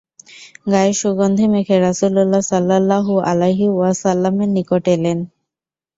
গায়ে সুগন্ধি মেখে রাসূলুল্লাহ সাল্লাল্লাহু আলাইহি ওয়াসাল্লামের নিকট এলেন।